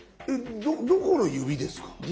えっどこの指ですか？